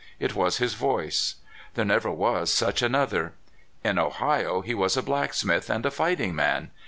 It was his voice. There never was such another. In Ohio he was a blacksmith and a fighting man.